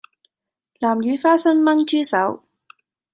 南乳花生炆豬手